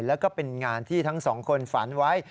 แล้วก็เป็นงานที่ทั้งสองคนฝันไว้